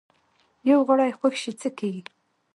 یو غړی خوږ شي څه کیږي؟